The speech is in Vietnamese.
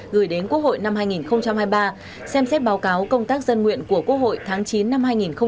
gửi đến quốc hội năm hai nghìn hai mươi ba xem xét báo cáo công tác dân nguyện của quốc hội tháng chín năm hai nghìn hai mươi